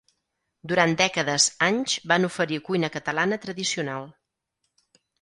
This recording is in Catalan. Durant dècades anys van oferir cuina catalana tradicional.